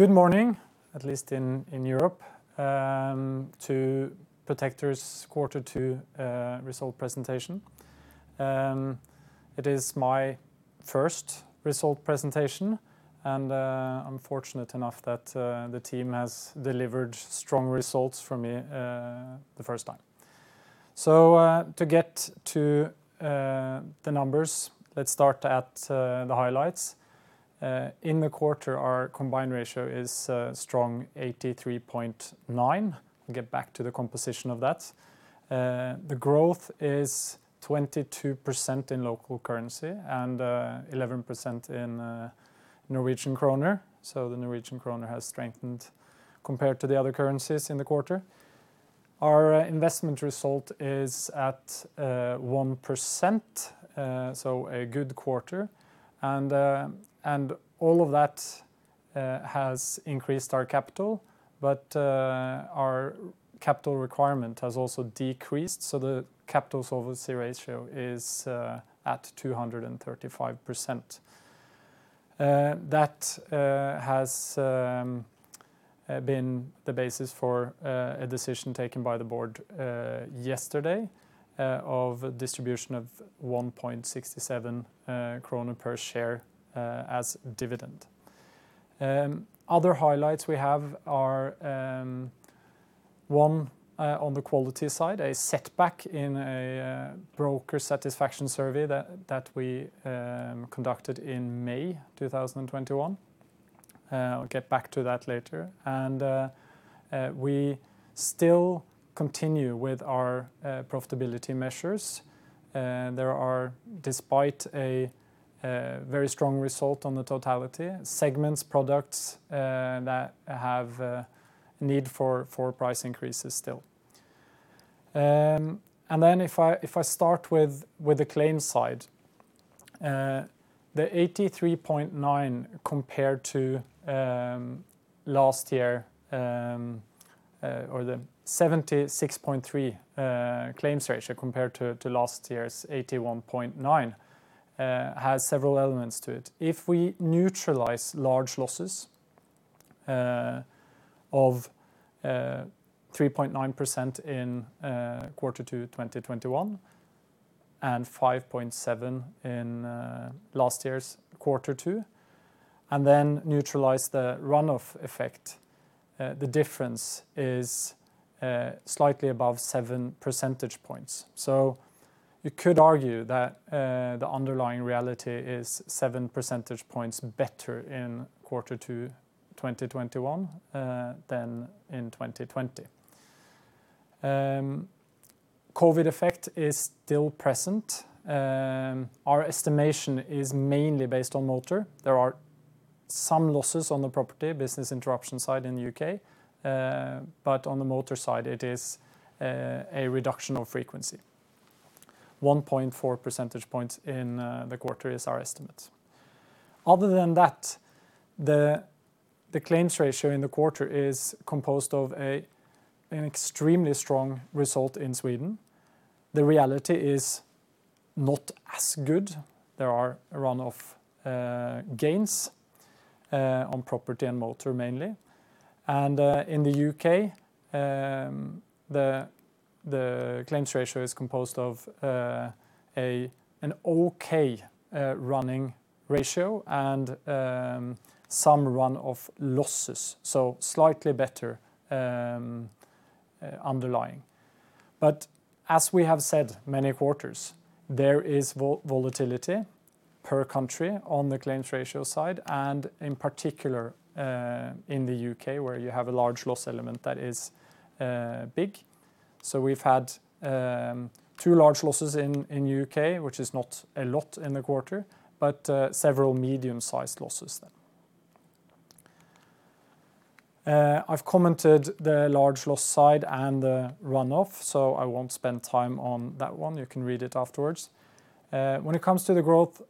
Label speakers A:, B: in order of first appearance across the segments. A: Good morning, at least in Europe, to Protector's quarter two result presentation. It is my first result presentation. I'm fortunate enough that the team has delivered strong results for me the first time. To get to the numbers, let's start at the highlights. In the quarter, our combined ratio is a strong 83.9. I'll get back to the composition of that. The growth is 22% in local currency and 11% in Norwegian kroner. The Norwegian kroner has strengthened compared to the other currencies in the quarter. Our investment result is at 1%. A good quarter. All of that has increased our capital, but our capital requirement has also decreased, so the capital solvency ratio is at 235%. That has been the basis for a decision taken by the board yesterday of distribution of 1.67 krone per share as dividend. Other highlights we have are, one, on the quality side, a setback in a broker satisfaction survey that we conducted in May 2021. I'll get back to that later. We still continue with our profitability measures. There are, despite a very strong result on the totality, segments, products that have a need for price increases still. If I start with the claims side, the 83.9 compared to last year, or the 76.3 claims ratio compared to last year's 81.9, has several elements to it. If we neutralize large losses of 3.9% in Q2 2021, and 5.7% in last year's Q2, and then neutralize the run-off effect, the difference is slightly above seven percentage points. You could argue that the underlying reality is seven percentage points better in Q2 2021, than in 2020. COVID effect is still present. Our estimation is mainly based on motor. There are some losses on the property business interruption side in the U.K., on the motor side it is a reduction of frequency. 1.4 percentage points in the quarter is our estimate. Other than that, the claims ratio in the quarter is composed of an extremely strong result in Sweden. The reality is not as good. There are a run-off gains on property and motor mainly. In the U.K., the claims ratio is composed of an okay running ratio and some run-off losses, slightly better underlying. As we have said many quarters, there is volatility per country on the claims ratio side, in particular in the U.K., where you have a large loss element that is big. We've had two large losses in U.K., which is not a lot in the quarter, several medium-sized losses then. I've commented the large loss side and the run-off, so I won't spend time on that one. You can read it afterwards. When it comes to the growth,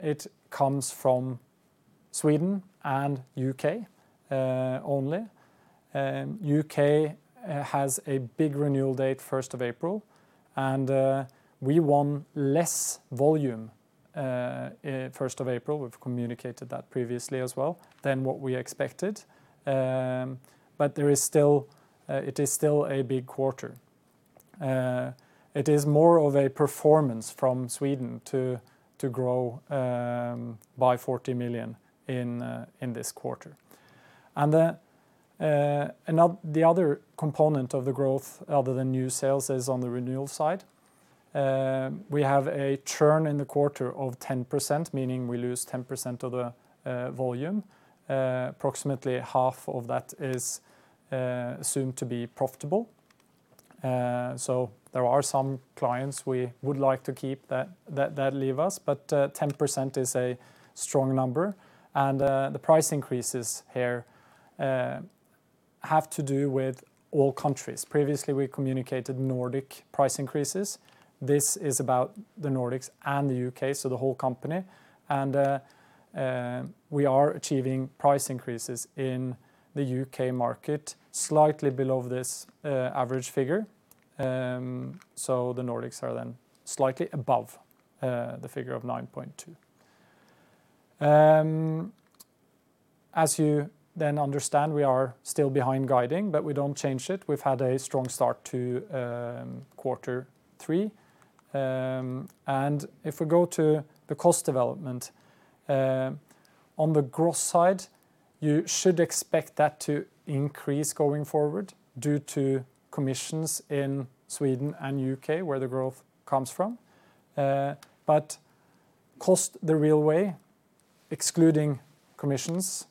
A: it comes from Sweden and U.K. only. U.K. has a big renewal date, 1st of April, and we won less volume 1st of April, we've communicated that previously as well, than what we expected. It is still a big quarter. It is more of a performance from Sweden to grow by 40 million in this quarter. The other component of the growth other than new sales is on the renewal side. We have a churn in the quarter of 10%, meaning we lose 10% of the volume. Approximately half of that is assumed to be profitable. There are some clients we would like to keep that leave us, but 10% is a strong number. The price increases here have to do with all countries. Previously, we communicated Nordic price increases. This is about the Nordics and the U.K., so the whole company. We are achieving price increases in the U.K. market, slightly below this average figure. The Nordics are then slightly above the figure of 9.2. As you understand, we are still behind guiding, but we don't change it. We've had a strong start to quarter three. If we go to the cost development, on the growth side, you should expect that to increase going forward due to commissions in Sweden and U.K., where the growth comes from. Cost the real way, excluding commissions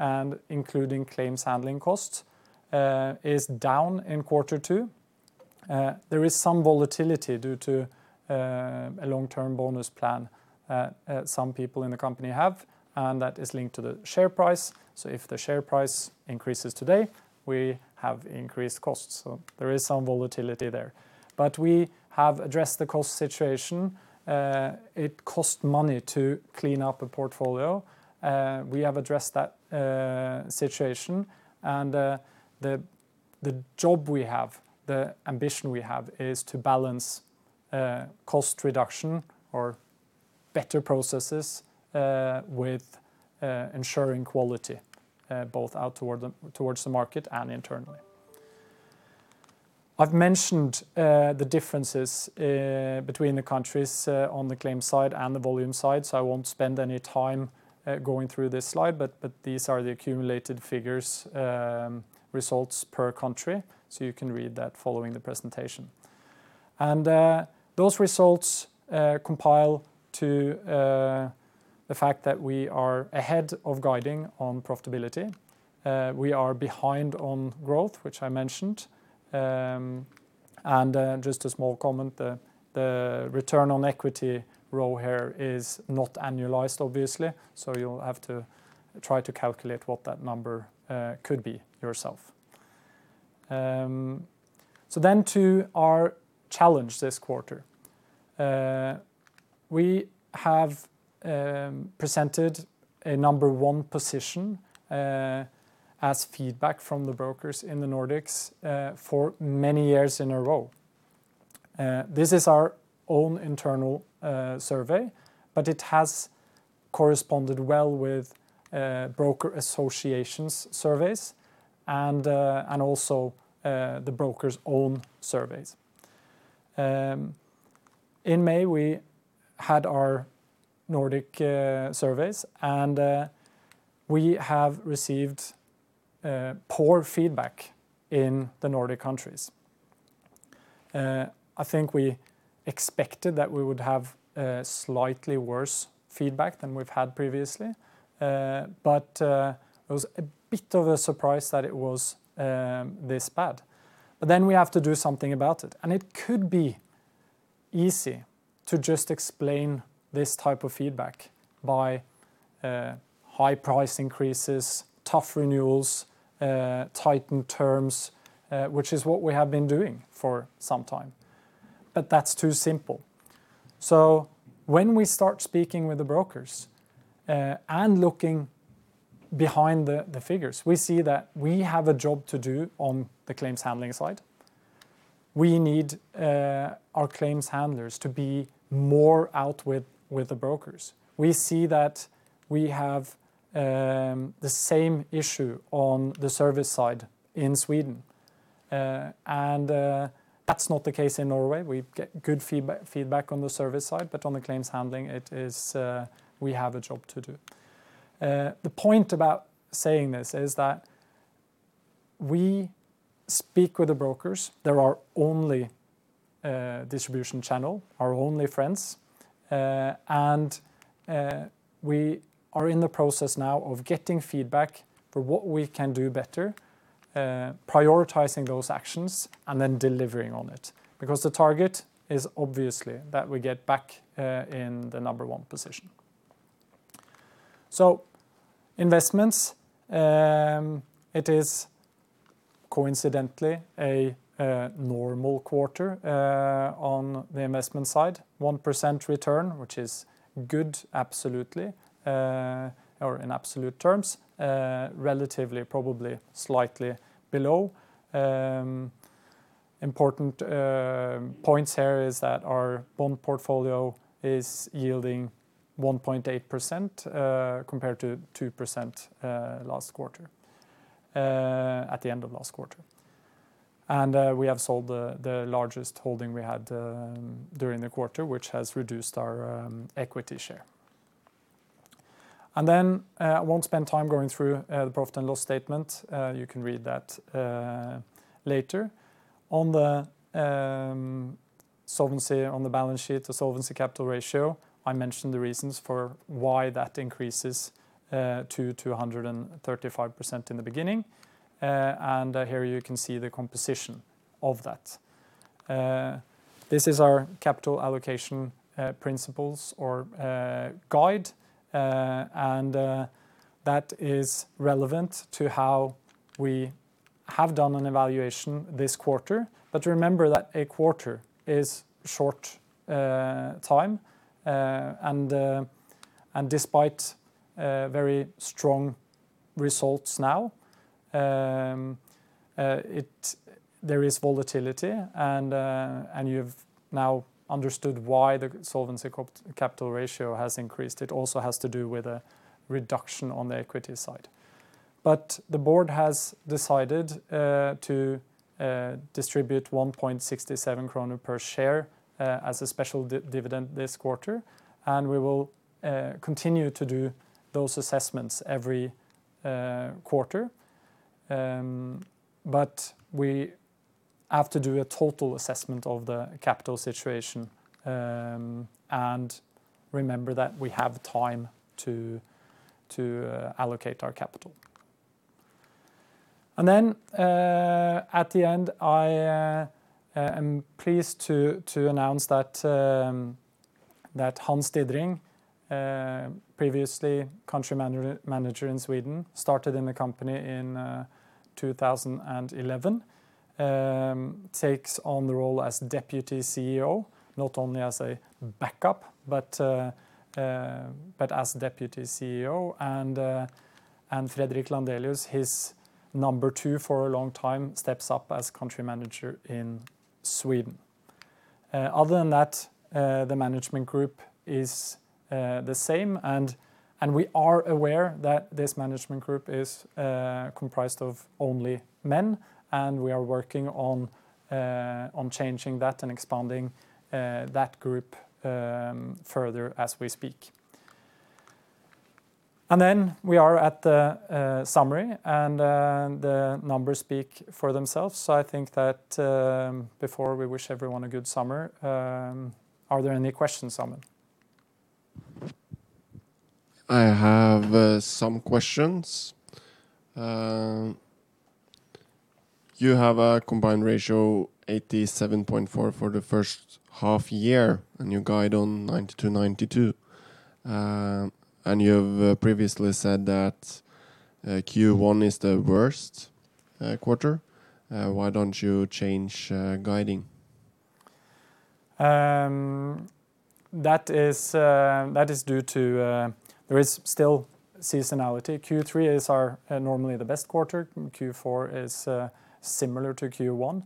A: and including claims handling costs, is down in quarter two. There is some volatility due to a long-term bonus plan some people in the company have, and that is linked to the share price. If the share price increases today, we have increased costs. There is some volatility there. We have addressed the cost situation. It costs money to clean up a portfolio. We have addressed that situation, and the ambition we have is to balance cost reduction or better processes with ensuring quality, both towards the market and internally. I've mentioned the differences between the countries on the claims side and the volume side, so I won't spend any time going through this slide, but these are the accumulated figures, results per country. You can read that following the presentation. Those results compile to the fact that we are ahead of guiding on profitability. We are behind on growth, which I mentioned. Just a small comment, the return on equity row here is not annualized, obviously, so you'll have to try to calculate what that number could be yourself. To our challenge this quarter. We have presented a number one position as feedback from the brokers in the Nordics for many years in a row. This is our own internal survey, but it has corresponded well with broker associations surveys and also the brokers' own surveys. In May, we had our Nordic surveys, and we have received poor feedback in the Nordic countries. I think we expected that we would have slightly worse feedback than we've had previously. It was a bit of a surprise that it was this bad. Then we have to do something about it, and it could be easy to just explain this type of feedback by high price increases, tough renewals, tightened terms, which is what we have been doing for some time. That's too simple. When we start speaking with the brokers, and looking behind the figures, we see that we have a job to do on the claims handling side. We need our claims handlers to be more out with the brokers. We see that we have the same issue on the service side in Sweden. That's not the case in Norway. We get good feedback on the service side, but on the claims handling, we have a job to do. The point about saying this is that we speak with the brokers. They're our only distribution channel, our only friends. We are in the process now of getting feedback for what we can do better, prioritizing those actions, then delivering on it. The target is obviously that we get back in the number one position. Investments, it is coincidentally a normal quarter on the investment side, 1% return, which is good absolutely, or in absolute terms, relatively probably slightly below. Important points here is that our bond portfolio is yielding 1.8% compared to 2% at the end of last quarter. We have sold the largest holding we had during the quarter, which has reduced our equity share. I won't spend time going through the profit and loss statement. You can read that later. On the solvency on the balance sheet, the solvency capital ratio, I mentioned the reasons for why that increases to 235% in the beginning. Here you can see the composition of that. This is our capital allocation principles or guide. That is relevant to how we have done an evaluation this quarter. Remember that a quarter is short time, and despite very strong results now, there is volatility. You've now understood why the solvency capital ratio has increased. It also has to do with a reduction on the equity side. The board has decided to distribute 1.67 kroner per share as a special dividend this quarter. We will continue to do those assessments every quarter. We have to do a total assessment of the capital situation. Remember that we have time to allocate our capital. At the end, I am pleased to announce that Hans Didring, previously country manager in Sweden, started in the company in 2011, takes on the role as deputy CEO. Not only as a backup, but as deputy CEO. Fredrik Landelius, his number two for a long time, steps up as country manager in Sweden. Other than that, the management group is the same. We are aware that this management group is comprised of only men, and we are working on changing that and expanding that group further as we speak. We are at the summary, and the numbers speak for themselves. I think that before we wish everyone a good summer, are there any questions, Amund?
B: I have some questions. You have a combined ratio 87.4 for the first half year, you guide on 92. You have previously said that Q1 is the worst quarter. Why don't you change guiding?
A: That is due to there is still seasonality. Q3 is normally the best quarter. Q4 is similar to Q1.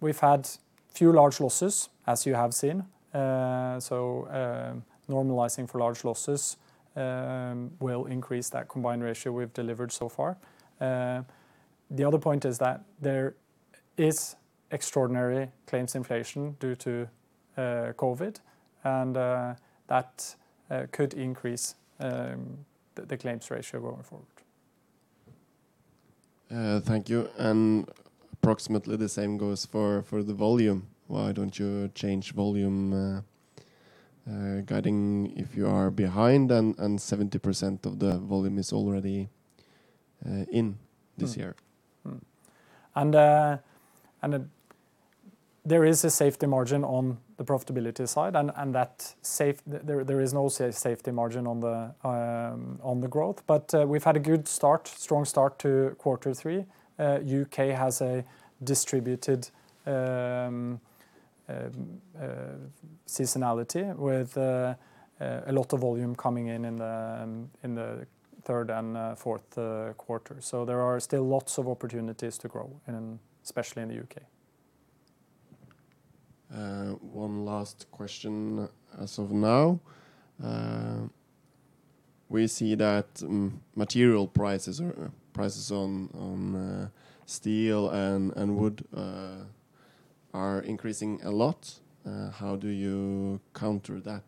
A: We've had few large losses, as you have seen. Normalizing for large losses will increase that combined ratio we've delivered so far. The other point is that there is extraordinary claims inflation due to COVID, and that could increase the claims ratio going forward.
B: Thank you. Approximately the same goes for the volume. Why don't you change volume guiding if you are behind and 70% of the volume is already in this year?
A: There is a safety margin on the profitability side, and there is also a safety margin on the growth. We've had a good start, strong start to quarter three. U.K. has a distributed seasonality, with a lot of volume coming in in the third and fourth quarter. There are still lots of opportunities to grow, especially in the U.K.
B: One last question as of now. We see that material prices on steel and wood are increasing a lot. How do you counter that?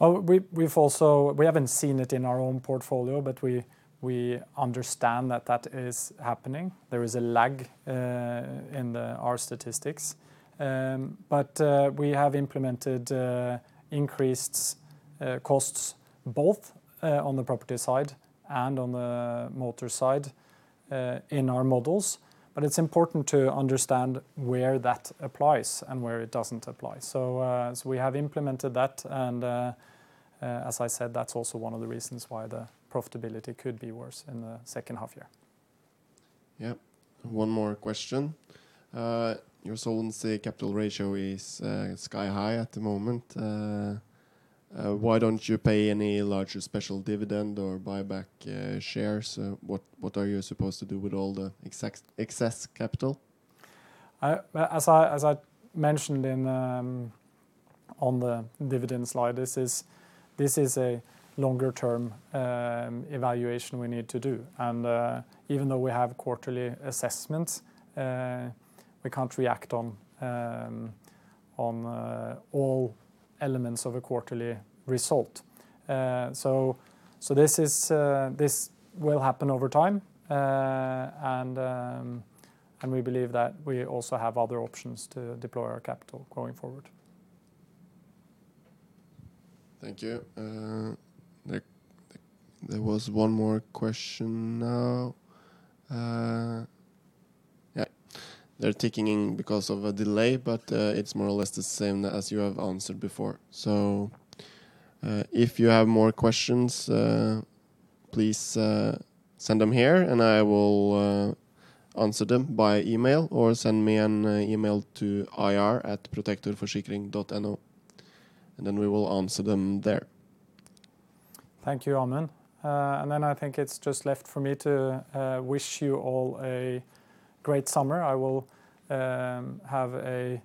A: We haven't seen it in our own portfolio, but we understand that that is happening. There is a lag in our statistics. We have implemented increased costs both on the property side and on the motor side in our models. It's important to understand where that applies and where it doesn't apply. We have implemented that, and as I said, that's also one of the reasons why the profitability could be worse in the 2nd half year.
B: Yep. One more question. Your solvency capital ratio is sky high at the moment. Why don't you pay any larger special dividend or buy back shares? What are you supposed to do with all the excess capital?
A: As I mentioned on the dividend slide, this is a longer-term evaluation we need to do. Even though we have quarterly assessments, we can't react on all elements of a quarterly result. This will happen over time, and we believe that we also have other options to deploy our capital going forward.
B: Thank you. There was one more question now. Yeah. They're ticking in because of a delay, but it's more or less the same as you have answered before. If you have more questions, please send them here, and I will answer them by email, or send me an email to ir@protectorforsikring.no, and then we will answer them there.
A: Thank you, Amund. I think it's just left for me to wish you all a great summer. I will have a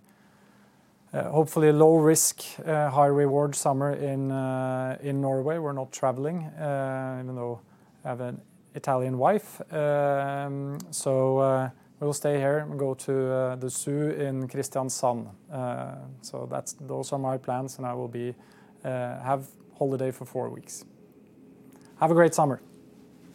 A: hopefully low risk, high reward summer in Norway. We're not traveling, even though I have an Italian wife. We'll stay here and go to the zoo in Kristiansand. Those are my plans, and I will have holiday for 4 weeks. Have a great summer.